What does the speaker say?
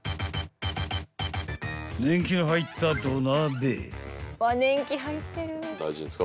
［年季が入った土鍋］